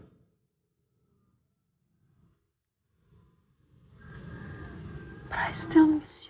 tapi aku masih sangat rindu kamu